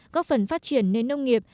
góp phần phát triển nên nông nghiệp